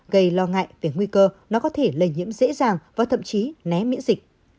gây lo ngại về nguy cơ nó có thể lây nhiễm dễ dàng và thậm chí né miễn dịch